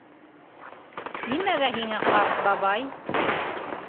Нимәгә һиңә ҡарт бабай?